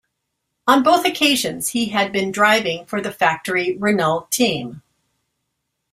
On both occasions he had been driving for the factory Renault team.